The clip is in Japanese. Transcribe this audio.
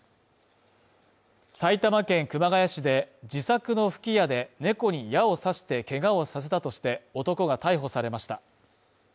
埼玉県熊谷市で自作の吹き矢で、猫に矢を刺してけがをさせたとして男が逮捕されました。